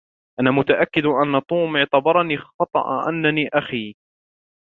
أنا متأكّد أنّ توم اعتبرني خطأ أنّني أخي.